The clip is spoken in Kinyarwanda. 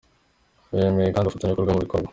Bemeye kandi ubufatanyabikorwa mu bikorwa.